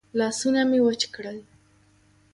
لاسونه مې وچ کړل.